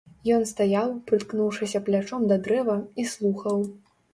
Ён стаяў, прыткнуўшыся плячом да дрэва, і слухаў.